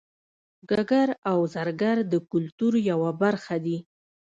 ګګر او زرګر د کولتور یوه برخه دي